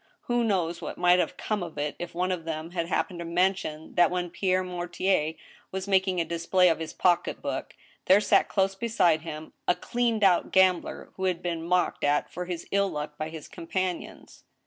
Who knows what might have come of it if one of them had happened to mention that when Pierre Mortier was making a display of his pocket book, there sat close beside him a " cleaned out gambler, who was being mocked at for his ill luck by his companions